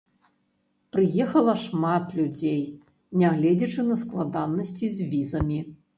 Прыехала шмат людзей, нягледзячы на складанасці з візамі.